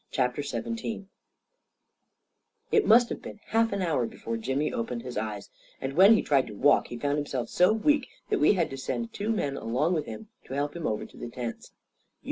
CHAPTER XVII It must have been half an hour before Jimmy opened his eyes, and when he tried to walk, he found himself so weak that we had to send two men along with him to help him over to the tents.